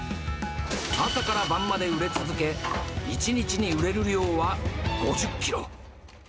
朝から晩まで売れ続け、１日に売れる量は５０キロ。